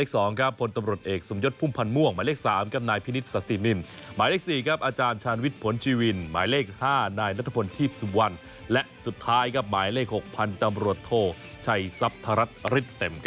สมัครนะครับก็มี